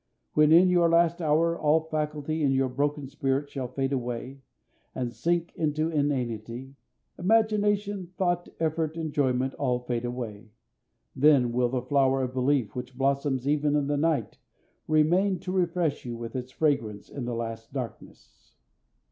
When in your last hour all faculty in your broken spirit shall fade away, and sink into inanity—imagination, thought, effort, enjoyment, all fade away—then will the flower of belief, which blossoms even in the night, remain to refresh you with its fragrance in the last darkness.